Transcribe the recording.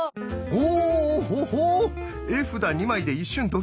お！